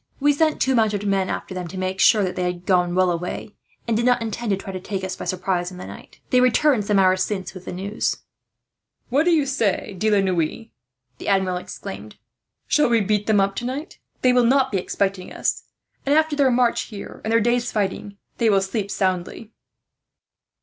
"We sent two mounted men after them, to make sure that they had gone well away, and did not intend to try to take us by surprise in the night. They returned some hours since with the news." "What do you say, De la Noue," the Admiral exclaimed; "shall we beat them up tonight? They will not be expecting us and, after their march here and their day's fighting, they will sleep soundly."